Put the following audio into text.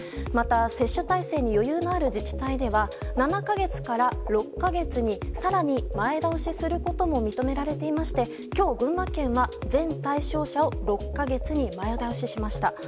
また接種体制に余裕のある自治体では７か月から６か月に更に前倒しすることも認められていまして今日、群馬県は全対象者を６か月に前倒ししました。